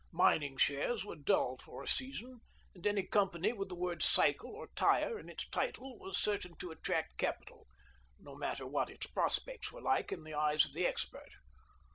Mining shares were dull for a season, and any company with the word "cycle" or "tyre" in its title was certain to attract capital, no matter what its prospects were like in the eyes of the expert.